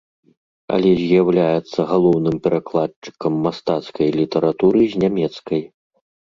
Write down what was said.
Але з'яўляецца галоўным перакладчыкам мастацкай літаратуры з нямецкай.